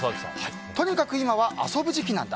とにかく今は遊ぶ時期なんだ。